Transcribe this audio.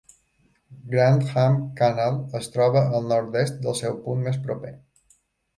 Grantham Canal es troba al nord-est del seu punt més proper.